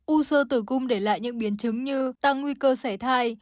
u sơ tử cung để lại những biến chứng như tăng nguy cơ sẻ thai